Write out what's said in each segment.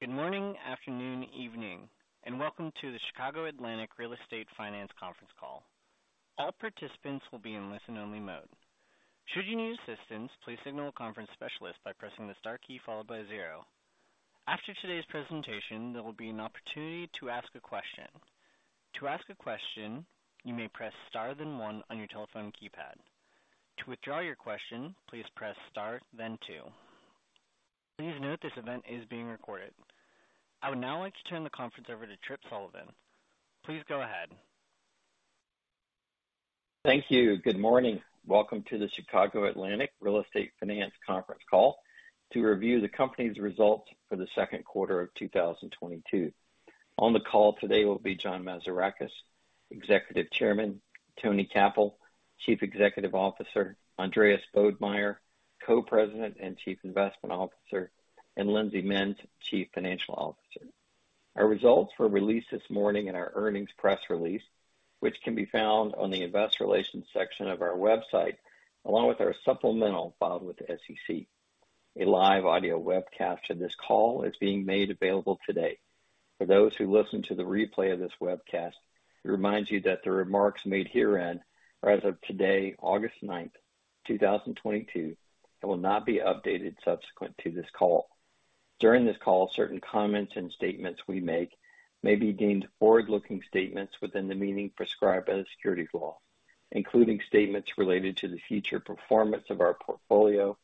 Good morning, afternoon, evening, and welcome to the Chicago Atlantic Real Estate Finance Conference Call. All participants will be in listen-only mode. Should you need assistance, please signal a conference specialist by pressing the star key followed by zero. After today's presentation, there will be an opportunity to ask a question. To ask a question, you may press star then one on your telephone keypad. To withdraw your question, please press star then two. Please note this event is being recorded. I would now like to turn the conference over to Tripp Sullivan. Please go ahead. Thank you. Good morning. Welcome to the Chicago Atlantic Real Estate Finance Conference Call to review the company's results for the second quarter of 2022. On the call today will be John Mazarakis, Executive Chairman. Tony Cappell, Chief Executive Officer. Andreas Bodmeier, Co-President and Chief Investment Officer. Lindsay Menze, Chief Financial Officer. Our results were released this morning in our earnings press release, which can be found on the investor relations section of our website, along with our supplemental filed with the SEC. A live audio webcast of this call is being made available today. For those who listen to the replay of this webcast, we remind you that the remarks made herein are as of today, August 9, 2022, and will not be updated subsequent to this call. During this call, certain comments and statements we make may be deemed forward-looking statements within the meaning prescribed by the securities law, including statements related to the future performance of our portfolio,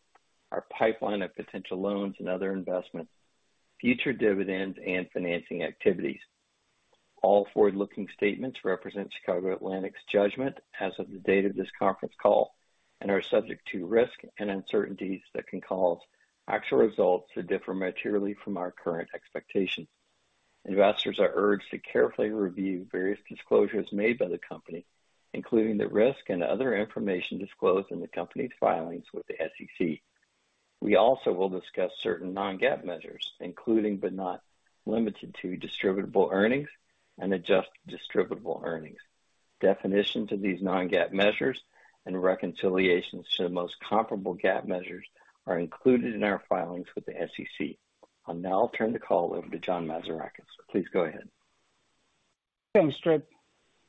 our pipeline of potential loans and other investments, future dividends, and financing activities. All forward-looking statements represent Chicago Atlantic's judgment as of the date of this conference call and are subject to risks and uncertainties that can cause actual results to differ materially from our current expectations. Investors are urged to carefully review various disclosures made by the company, including the risk and other information disclosed in the company's filings with the SEC. We also will discuss certain non-GAAP measures, including, but not limited to distributable earnings and adjusted distributable earnings. Definitions of these non-GAAP measures and reconciliations to the most comparable GAAP measures are included in our filings with the SEC. I'll now turn the call over to John Mazarakis. Please go ahead. Thanks, Tripp.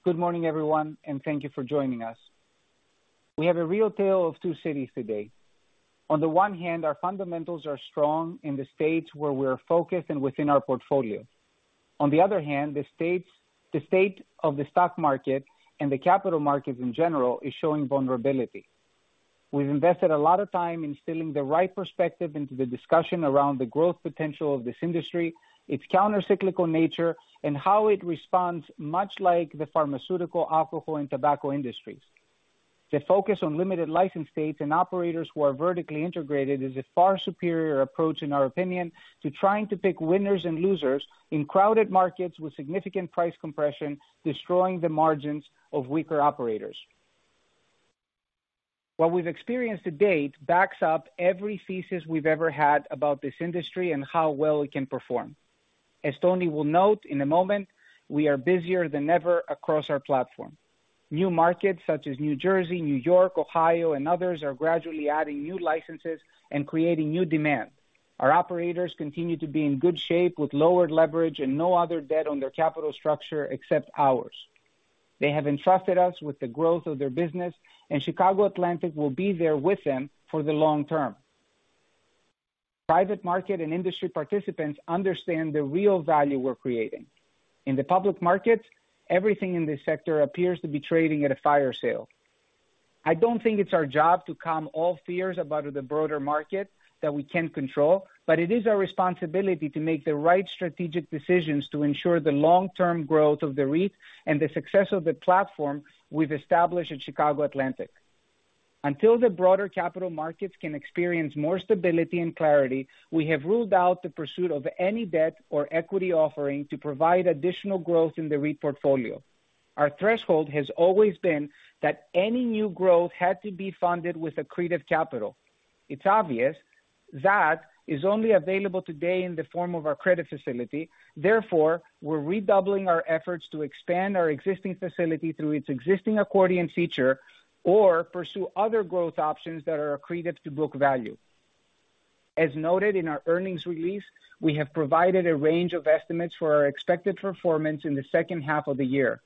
Good morning, everyone, and thank you for joining us. We have a real tale of two cities today. On the one hand, our fundamentals are strong in the states where we're focused and within our portfolio. On the other hand, the state of the stock market and the capital markets in general is showing vulnerability. We've invested a lot of time instilling the right perspective into the discussion around the growth potential of this industry, its counter-cyclical nature, and how it responds, much like the pharmaceutical, alcohol and tobacco industries. The focus on limited license states and operators who are vertically integrated is a far superior approach, in our opinion, to trying to pick winners and losers in crowded markets with significant price compression, destroying the margins of weaker operators. What we've experienced to date backs up every thesis we've ever had about this industry and how well it can perform. As Tony will note in a moment, we are busier than ever across our platform. New markets such as New Jersey, New York, Ohio and others are gradually adding new licenses and creating new demand. Our operators continue to be in good shape with lowered leverage and no other debt on their capital structure except ours. They have entrusted us with the growth of their business, and Chicago Atlantic will be there with them for the long term. Private market and industry participants understand the real value we're creating. In the public markets, everything in this sector appears to be trading at a fire sale. I don't think it's our job to calm all fears about the broader market that we can't control, but it is our responsibility to make the right strategic decisions to ensure the long-term growth of the REIT and the success of the platform we've established at Chicago Atlantic. Until the broader capital markets can experience more stability and clarity, we have ruled out the pursuit of any debt or equity offering to provide additional growth in the REIT portfolio. Our threshold has always been that any new growth had to be funded with accretive capital. It's obvious that is only available today in the form of our credit facility. Therefore, we're redoubling our efforts to expand our existing facility through its existing accordion feature or pursue other growth options that are accretive to book value. As noted in our earnings release, we have provided a range of estimates for our expected performance in the second half of the year.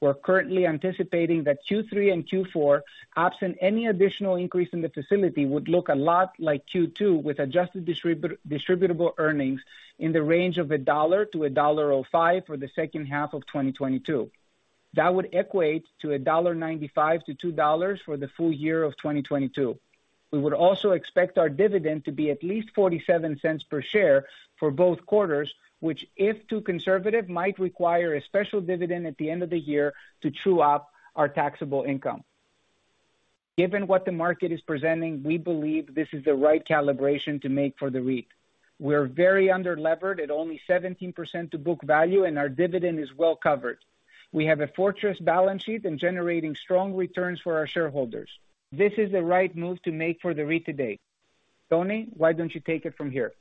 We're currently anticipating that Q3 and Q4, absent any additional increase in the facility, would look a lot like Q2 with adjusted distributable earnings in the range of $1-$1.05 for the second half of 2022. That would equate to $1.95-$2 for the full year of 2022. We would also expect our dividend to be at least $0.47 per share for both quarters, which if too conservative, might require a special dividend at the end of the year to true up our taxable income. Given what the market is presenting, we believe this is the right calibration to make for the REIT. We're very underlevered at only 17% to book value and our dividend is well covered. We have a fortress balance sheet and generating strong returns for our shareholders. This is the right move to make for the REIT today. Tony, why don't you take it from here?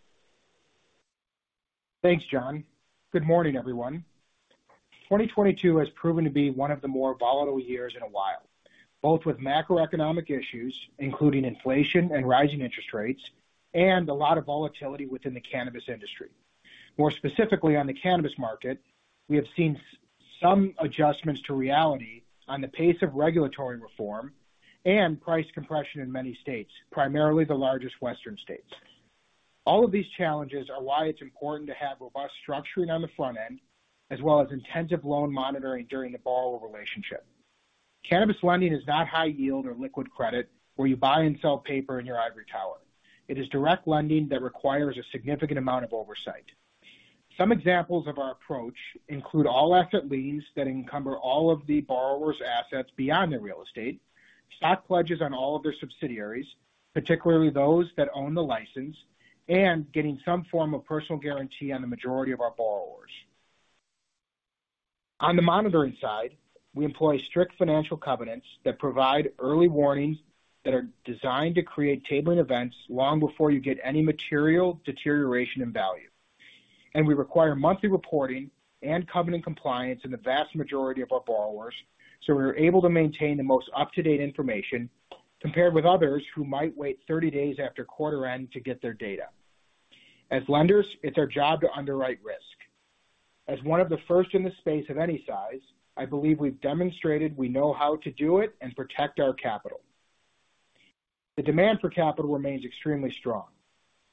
Thanks, John. Good morning, everyone. 2022 has proven to be one of the more volatile years in a while, both with macroeconomic issues, including inflation and rising interest rates, and a lot of volatility within the cannabis industry. More specifically, on the cannabis market, we have seen some adjustments to reality on the pace of regulatory reform and price compression in many states, primarily the largest Western states. All of these challenges are why it's important to have robust structuring on the front end, as well as intensive loan monitoring during the borrower relationship. Cannabis lending is not high yield or liquid credit where you buy and sell paper in your ivory tower. It is direct lending that requires a significant amount of oversight. Some examples of our approach include all asset liens that encumber all of the borrower's assets beyond their real estate, stock pledges on all of their subsidiaries, particularly those that own the license, and getting some form of personal guarantee on the majority of our borrowers. On the monitoring side, we employ strict financial covenants that provide early warnings that are designed to create tabling events long before you get any material deterioration in value. We require monthly reporting and covenant compliance in the vast majority of our borrowers, so we're able to maintain the most up-to-date information compared with others who might wait 30 days after quarter end to get their data. As lenders, it's our job to underwrite risk. As one of the first in the space of any size, I believe we've demonstrated we know how to do it and protect our capital. The demand for capital remains extremely strong.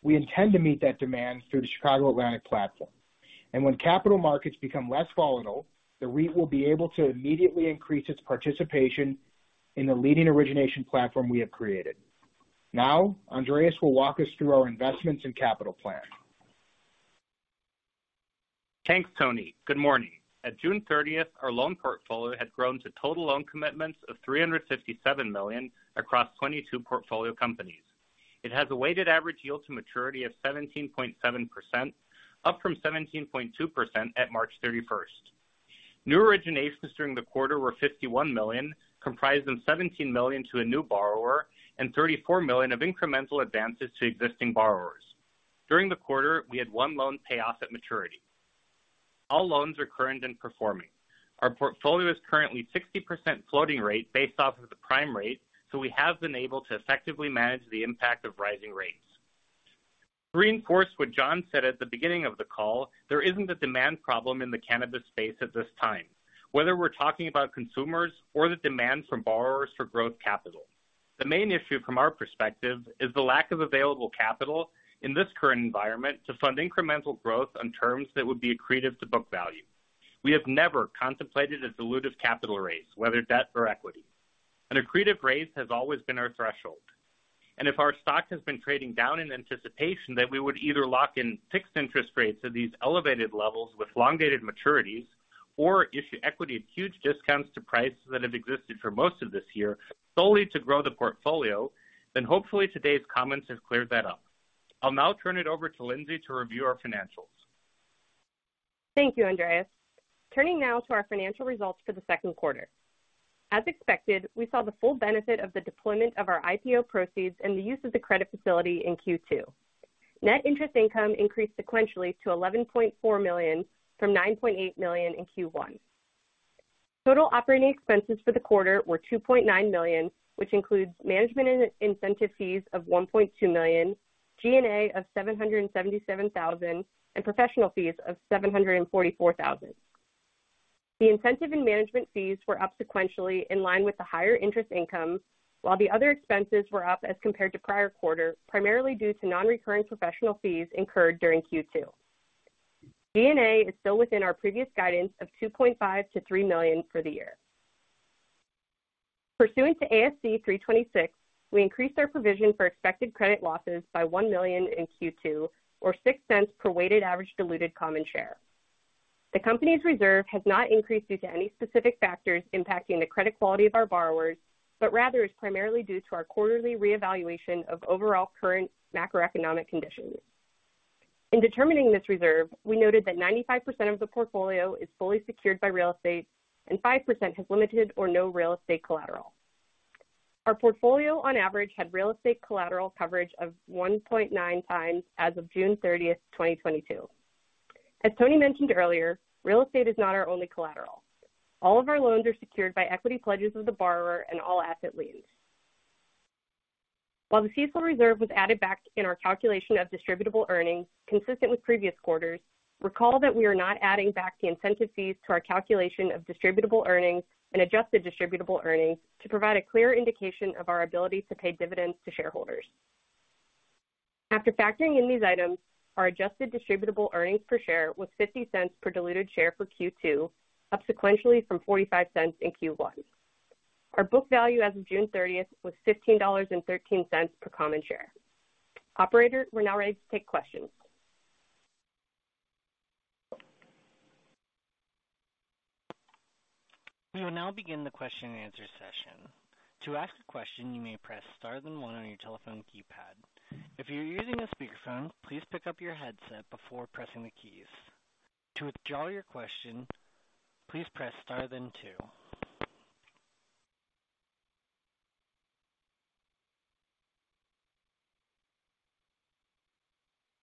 We intend to meet that demand through the Chicago Atlantic platform. When capital markets become less volatile, the REIT will be able to immediately increase its participation in the leading origination platform we have created. Now, Andreas will walk us through our investments and capital plan. Thanks, Tony. Good morning. At June thirtieth, our loan portfolio had grown to total loan commitments of $357 million across 22 portfolio companies. It has a weighted average yield to maturity of 17.7%, up from 17.2% at March 31st. New originations during the quarter were $51 million, comprised of $17 million to a new borrower and $34 million of incremental advances to existing borrowers. During the quarter, we had one loan pay off at maturity. All loans are current and performing. Our portfolio is currently 60% floating rate based off of the prime rate, so we have been able to effectively manage the impact of rising rates. To reinforce what John said at the beginning of the call, there isn't a demand problem in the cannabis space at this time, whether we're talking about consumers or the demand from borrowers for growth capital. The main issue from our perspective is the lack of available capital in this current environment to fund incremental growth on terms that would be accretive to book value. We have never contemplated a dilutive capital raise, whether debt or equity. An accretive raise has always been our threshold. If our stock has been trading down in anticipation that we would either lock in fixed interest rates at these elevated levels with long-dated maturities or issue equity at huge discounts to prices that have existed for most of this year solely to grow the portfolio, then hopefully today's comments have cleared that up. I'll now turn it over to Lindsay to review our financials. Thank you, Andreas. Turning now to our financial results for the second quarter. As expected, we saw the full benefit of the deployment of our IPO proceeds and the use of the credit facility in Q2. Net interest income increased sequentially to $11.4 million from $9.8 million in Q1. Total operating expenses for the quarter were $2.9 million, which includes management and incentive fees of $1.2 million, G&A of $777,000, and professional fees of $744,000. The incentive and management fees were up sequentially in line with the higher interest income, while the other expenses were up as compared to prior quarter, primarily due to non-recurring professional fees incurred during Q2. G&A is still within our previous guidance of $2.5 million-$3 million for the year. Pursuant to ASC 326, we increased our provision for expected credit losses by $1 million in Q2, or $0.06 per weighted average diluted common share. The company's reserve has not increased due to any specific factors impacting the credit quality of our borrowers, but rather is primarily due to our quarterly reevaluation of overall current macroeconomic conditions. In determining this reserve, we noted that 95% of the portfolio is fully secured by real estate and 5% has limited or no real estate collateral. Our portfolio on average had real estate collateral coverage of 1.9x as of June 30, 2022. As Tony mentioned earlier, real estate is not our only collateral. All of our loans are secured by equity pledges of the borrower and all asset liens. While the CECL reserve was added back in our calculation of distributable earnings consistent with previous quarters, recall that we are not adding back the incentive fees to our calculation of distributable earnings and adjusted distributable earnings to provide a clear indication of our ability to pay dividends to shareholders. After factoring in these items, our adjusted distributable earnings per share was $0.50 per diluted share for Q2, up sequentially from $0.45 in Q1. Our book value as of June 30 was $15.13 per common share. Operator, we're now ready to take questions. We will now begin the question and answer session. To ask a question, you may press star then one on your telephone keypad. If you're using a speakerphone, please pick up your headset before pressing the keys. To withdraw your question, please press star then two.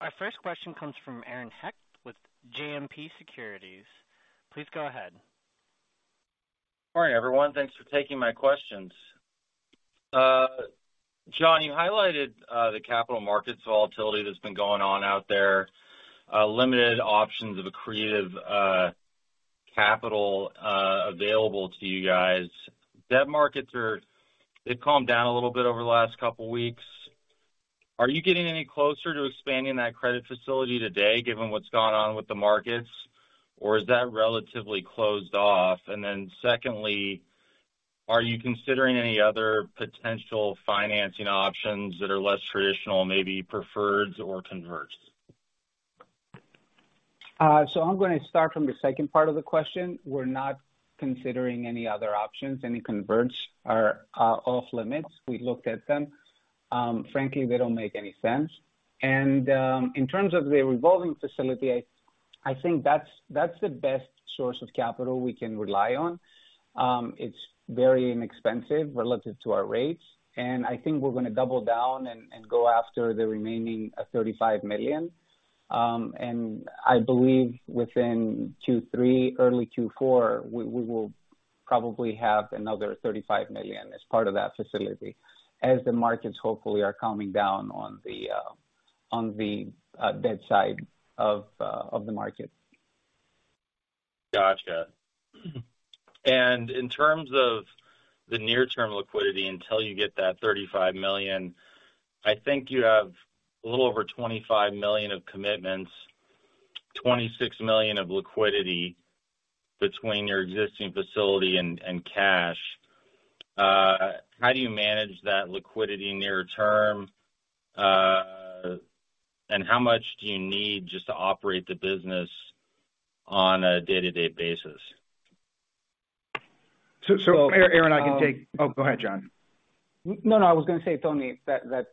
Our first question comes from Aaron Hecht with JMP Securities. Please go ahead. Good morning, everyone. Thanks for taking my questions. John, you highlighted the capital markets volatility that's been going on out there, limited options for creative capital available to you guys. Debt markets are. They've calmed down a little bit over the last couple weeks. Are you getting any closer to expanding that credit facility today, given what's gone on with the markets? Or is that relatively closed off? Secondly, are you considering any other potential financing options that are less traditional, maybe preferreds or converts? I'm gonna start from the second part of the question. We're not considering any other options. Any converts are off-limits. We looked at them. Frankly, they don't make any sense. In terms of the revolving facility, I think that's the best source of capital we can rely on. It's very inexpensive relative to our rates. I think we're gonna double down and go after the remaining $35 million. I believe within Q3, early Q4, we will probably have another $35 million as part of that facility, as the markets hopefully are calming down on the debt side of the market. Gotcha. In terms of the near-term liquidity, until you get that $35 million, I think you have a little over $25 million of commitments, $26 million of liquidity between your existing facility and cash. How do you manage that liquidity near term? How much do you need just to operate the business on a day-to-day basis? Aaron, oh, go ahead, John. No, no. I was gonna say, Tony, that's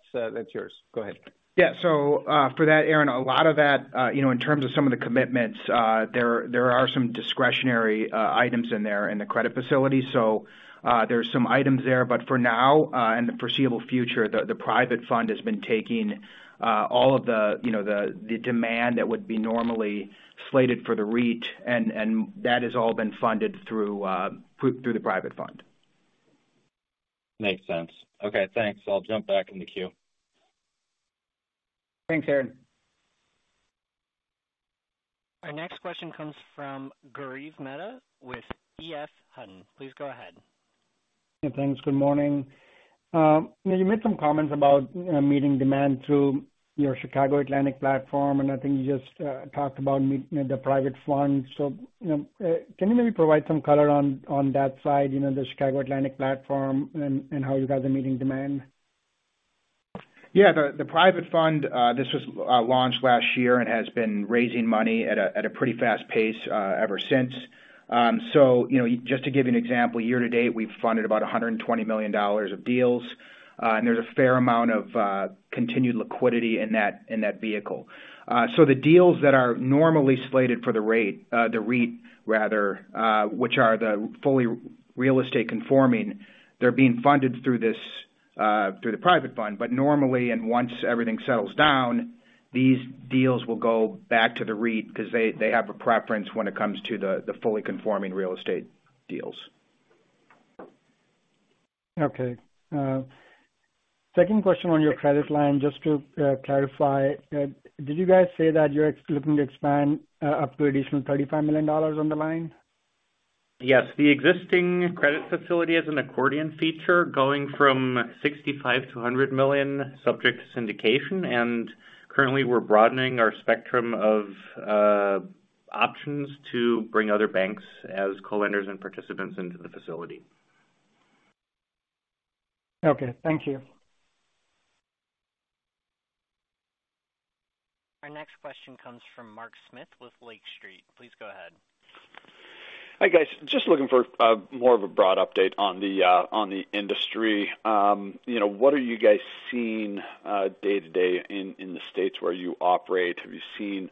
yours. Go ahead. Yeah. For that, Aaron, a lot of that, you know, in terms of some of the commitments, there are some discretionary items in there in the credit facility, so there's some items there. For now and the foreseeable future, the private fund has been taking all of the demand that would be normally slated for the REIT, and that has all been funded through the private fund. Makes sense. Okay, thanks. I'll jump back in the queue. Thanks, Aaron. Our next question comes from Gaurav Mehta with EF Hutton. Please go ahead. Yeah, thanks. Good morning. You made some comments about meeting demand through your Chicago Atlantic platform, and I think you just talked about the private fund. Can you maybe provide some color on that side, you know, the Chicago Atlantic platform and how you guys are meeting demand? Yeah. The private fund, this was launched last year and has been raising money at a pretty fast pace ever since. So, you know, just to give you an example, year to date, we've funded about $120 million of deals, and there's a fair amount of continued liquidity in that vehicle. So the deals that are normally slated for the REIT, which are the fully real estate conforming, they're being funded through this through the private fund. Normally, once everything settles down, these deals will go back to the REIT 'cause they have a preference when it comes to the fully conforming real estate deals. Okay. Second question on your credit line, just to clarify. Did you guys say that you're looking to expand up to additional $35 million on the line? Yes. The existing credit facility is an accordion feature going from $65 million to $100 million, subject to syndication. Currently, we're broadening our spectrum of options to bring other banks as co-lenders and participants into the facility. Okay, thank you. Our next question comes from Mark Smith with Lake Street. Please go ahead. Hi, guys. Just looking for more of a broad update on the industry. You know, what are you guys seeing day-to-day in the states where you operate? Have you seen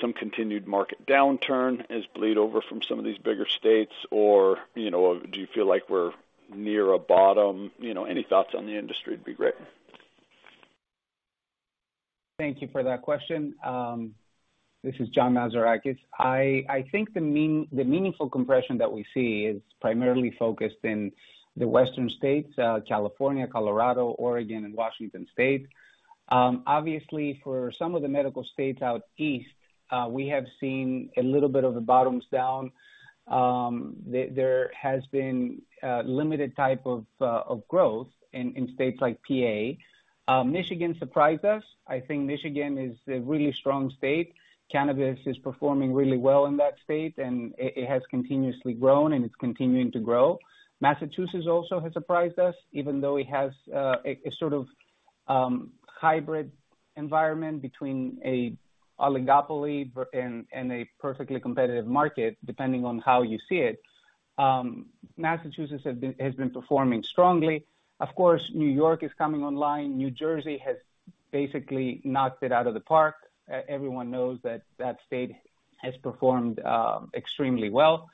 some continued market downturn has bled over from some of these bigger states? Or, you know, do you feel like we're near a bottom? You know, any thoughts on the industry would be great. Thank you for that question. This is John Mazarakis. I think the meaningful compression that we see is primarily focused in the Western states, California, Colorado, Oregon, and Washington State. Obviously, for some of the medical states out east, we have seen a little bit of a bottoms down. There has been limited type of growth in states like PA. Michigan surprised us. I think Michigan is a really strong state. Cannabis is performing really well in that state, and it has continuously grown, and it's continuing to grow. Massachusetts also has surprised us, even though it has a sort of hybrid environment between an oligopoly and a perfectly competitive market, depending on how you see it. Massachusetts has been performing strongly. Of course, New York is coming online. New Jersey has basically knocked it out of the park. Everyone knows that state has performed extremely well.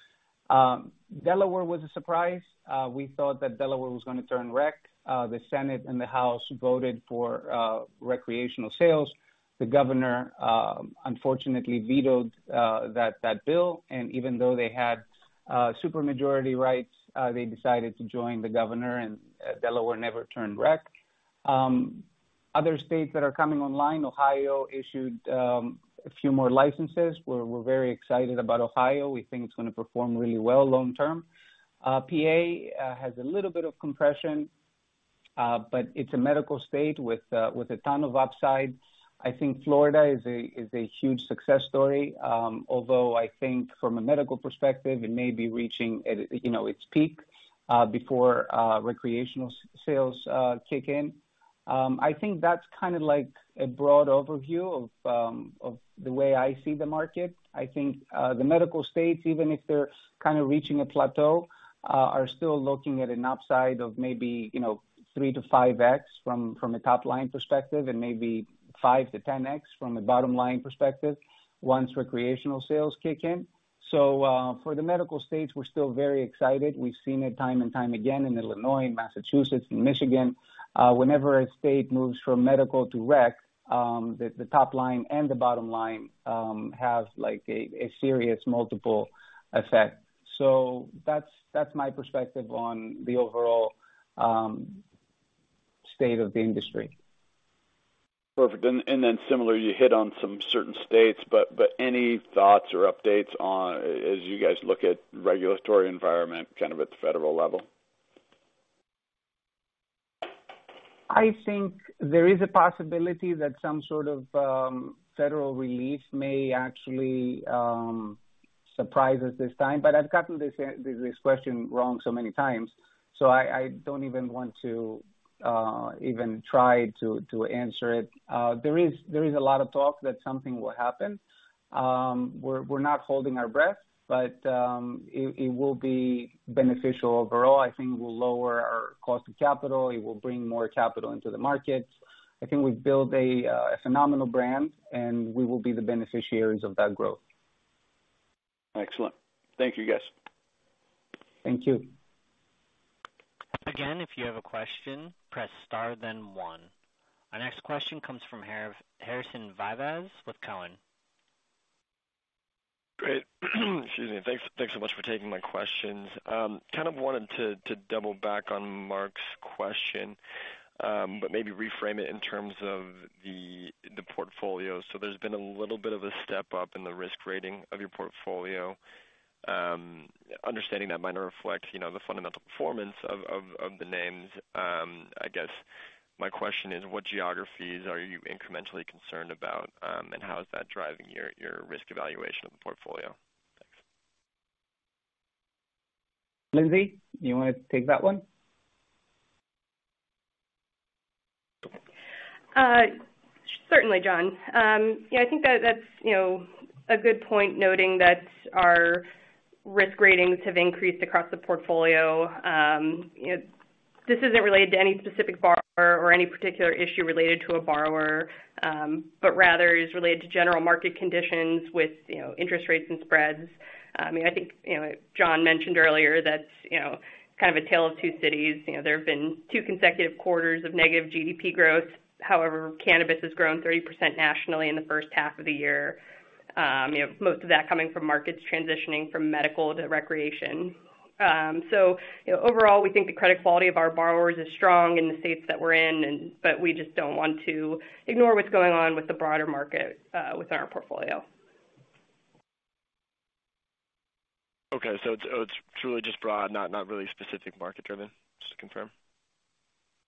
Delaware was a surprise. We thought that Delaware was gonna turn rec. The Senate and the House voted for recreational sales. The governor unfortunately vetoed that bill. Even though they had super majority rights, they decided to join the governor, and Delaware never turned rec. Other states that are coming online, Ohio issued a few more licenses. We're very excited about Ohio. We think it's gonna perform really well long term. PA has a little bit of compression, but it's a medical state with a ton of upside. I think Florida is a huge success story. Although I think from a medical perspective, it may be reaching it, you know, its peak before recreational sales kick in. I think that's kind of like a broad overview of the way I see the market. I think the medical states, even if they're kind of reaching a plateau, are still looking at an upside of maybe, you know, three-5x from a top-line perspective and maybe five-10x from a bottom-line perspective once recreational sales kick in. For the medical states, we're still very excited. We've seen it time and time again in Illinois, Massachusetts and Michigan. Whenever a state moves from medical to rec, the top line and the bottom line have, like, a serious multiple effect. That's my perspective on the overall state of the industry. Perfect. Similar, you hit on some certain states, but any thoughts or updates on as you guys look at regulatory environment kind of at the federal level? I think there is a possibility that some sort of federal relief may actually surprise us this time. I've gotten this question wrong so many times, so I don't even want to even try to answer it. There is a lot of talk that something will happen. We're not holding our breath, but it will be beneficial overall. I think it will lower our cost of capital. It will bring more capital into the market. I think we've built a phenomenal brand, and we will be the beneficiaries of that growth. Excellent. Thank you, guys. Thank you. Again, if you have a question, press star then one. Our next question comes from Harrison Vivas with Cowen. Great. Excuse me. Thanks. Thanks so much for taking my questions. Kind of wanted to double back on Mark's question, but maybe reframe it in terms of the portfolio. There's been a little bit of a step up in the risk rating of your portfolio. Understanding that might not reflect, you know, the fundamental performance of the names. I guess my question is, what geographies are you incrementally concerned about, and how is that driving your risk evaluation of the portfolio? Thanks. Lindsay, you wanna take that one? Certainly, John. Yeah, I think that's, you know, a good point noting that our risk ratings have increased across the portfolio. This isn't related to any specific borrower or any particular issue related to a borrower, but rather is related to general market conditions with, you know, interest rates and spreads. I mean, I think, you know, John mentioned earlier that, you know, kind of a tale of two cities. You know, there have been two consecutive quarters of negative GDP growth. However, cannabis has grown 30% nationally in the first half of the year. You know, most of that coming from markets transitioning from medical to recreational. You know, overall, we think the credit quality of our borrowers is strong in the states that we're in and We just don't want to ignore what's going on with the broader market, within our portfolio. Okay. It's truly just broad, not really specific market driven, just to confirm?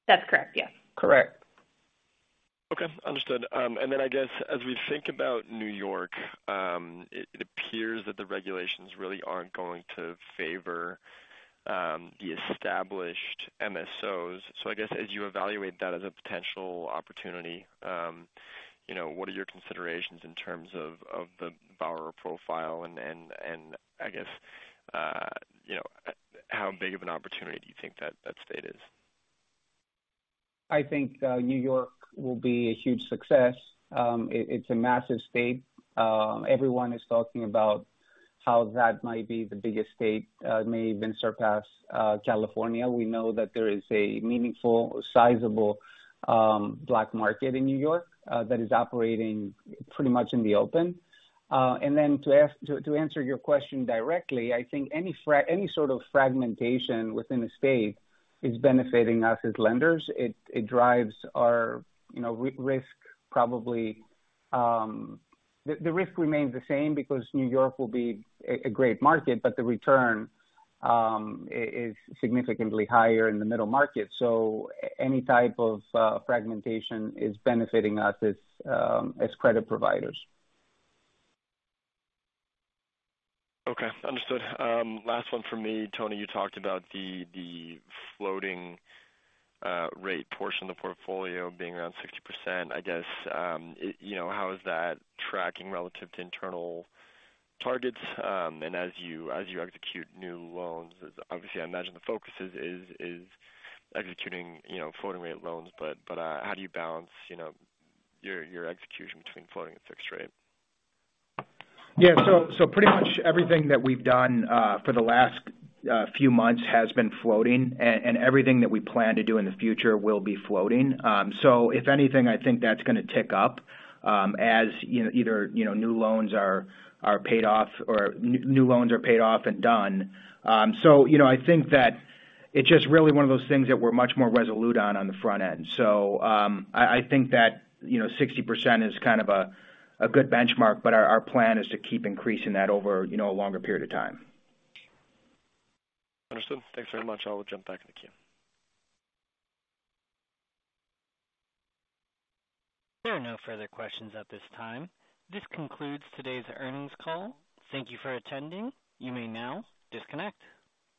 That's correct. Yeah. Correct. Okay. Understood. I guess as we think about New York, it appears that the regulations really aren't going to favor the established MSOs. I guess, as you evaluate that as a potential opportunity, you know, what are your considerations in terms of the borrower profile and I guess, you know, how big of an opportunity do you think that state is? I think New York will be a huge success. It's a massive state. Everyone is talking about how that might be the biggest state, may even surpass California. We know that there is a meaningful, sizable black market in New York that is operating pretty much in the open. To answer your question directly, I think any sort of fragmentation within the state is benefiting us as lenders. It drives our, you know, risk probably. The risk remains the same because New York will be a great market, but the return is significantly higher in the middle market. Any type of fragmentation is benefiting us as credit providers. Okay. Understood. Last one for me. Tony, you talked about the floating rate portion of the portfolio being around 60%. I guess, you know, how is that tracking relative to internal targets? As you execute new loans, obviously, I imagine the focus is executing, you know, floating rate loans, but, how do you balance, you know, your execution between floating and fixed rate? Yeah. Pretty much everything that we've done for the last few months has been floating, and everything that we plan to do in the future will be floating. If anything, I think that's gonna tick up, as you know, either you know, new loans are paid off or new loans are paid off and done. You know, I think that it's just really one of those things that we're much more resolute on the front end. I think that you know, 60% is kind of a good benchmark, but our plan is to keep increasing that over you know, a longer period of time. Understood. Thanks very much. I'll jump back in the queue. There are no further questions at this time. This concludes today's earnings call. Thank you for attending. You may now disconnect.